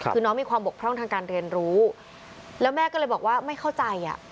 คือน้องมีความบกพร่องทางการเรียนรู้แล้วแม่ก็เลยบอกว่าไม่เข้าใจอ่ะ